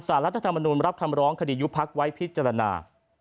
รัฐธรรมนุนรับคำร้องคดียุบพักไว้พิจารณา